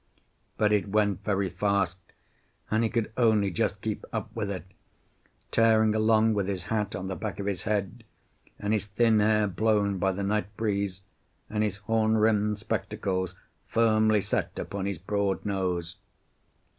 But it went very fast, and he could only just keep up with it, tearing along with his hat on the back of his head and his thin hair blown by the night breeze, and his horn rimmed spectacles firmly set upon his broad nose.